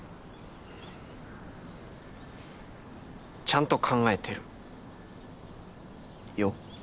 ちゃんと考えてるよ。